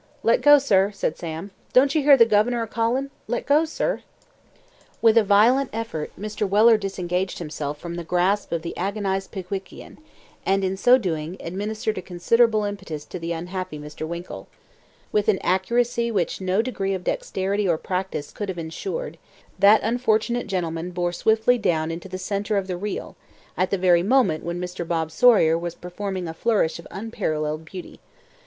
"Let go, sir," said Sam. "Don't you hear the governor a callin'? Let go, sir!" With a violent effort, Mr. Weller disengaged himself from the grasp of the agonized Pickwickian; and, in so doing, administered a considerable impetus to the unhappy Mr. Winkle. With an accuracy which no degree of dexterity or practice could have insured, that unfortunate gentleman bore swiftly down into the centre of the reel, at the very moment when Mr. Bob Sawyer was performing a flourish of unparalleled beauty. Mr.